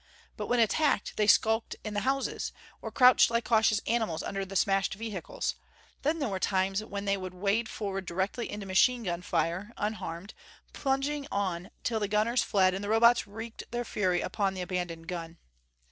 But when attacked, they skulked in the houses, or crouched like cautious animals under the smashed vehicles. Then there were times when they would wade forward directly into machine gun fire unharmed plunging on until the gunners fled and the Robots wreaked their fury upon the abandoned gun.